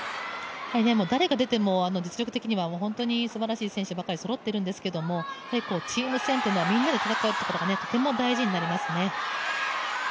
誰が出ても実力的には、本当にすばらしい選手ばかりそろっているんですけれども、チーム戦というのはみんなで戦うのがとても大事になりますね。